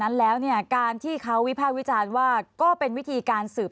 นั้นแล้วเนี่ยการที่เขาวิภาควิจารณ์ว่าก็เป็นวิธีการสืบ